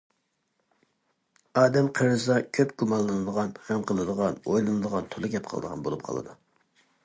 ئادەم قېرىسا كۆپ گۇمانلىنىدىغان، غەم قىلىدىغان، ئويلىنىدىغان، تولا گەپ قىلىدىغان بولۇپ قالىدۇ.